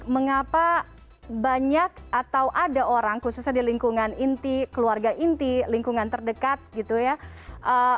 mengapa banyak atau ada orang khususnya di lingkungan inti keluarga inti lingkungan terdekat gitu ya